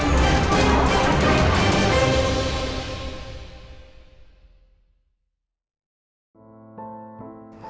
สวัสดีครับ